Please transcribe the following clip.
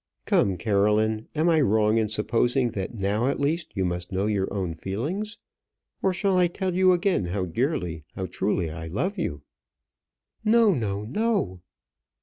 "Come, Caroline; am I wrong in supposing that now at least you must know your own feelings? Or shall I tell you again how dearly, how truly I love you?" "No! no! no!"